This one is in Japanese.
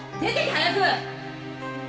早く